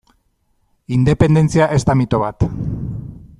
Independentzia ez da mito bat.